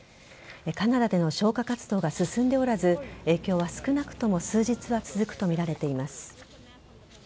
カナダでの消火活動が進んでおらず影響は、少なくとも数日は続くとみられています。